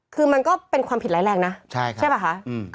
คือมันก็เป็นความผิดร้ายแรงนะใช่ป่ะคะ